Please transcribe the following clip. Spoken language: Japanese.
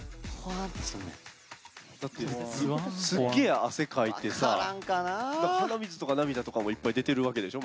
すっげえ汗かいてさ鼻水とか涙とかもいっぱい出てるわけでしょ